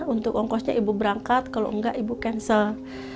untuk ongkosnya ibu berangkat kalau enggak ibu cancel